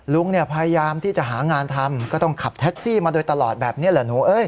ลุงเนี่ยพยายามที่จะหางานทำก็ต้องขับแท็กซี่มาโดยตลอดแบบนี้แหละหนูเอ้ย